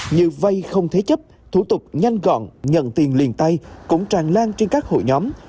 như vay không thế chấp thủ tục nhanh gọn nhận tiền liền tay cũng tràn lan trên các hội nhóm